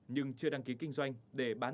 nhưng chưa đăng ký kinh doanh để bán